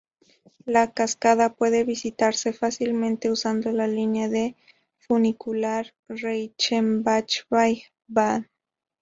La cascada puede visitarse fácilmente usando la línea de funicular Reichenbachfall-Bahn.